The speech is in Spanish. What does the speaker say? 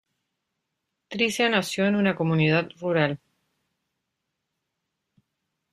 Tricia nació en una comunidad rural.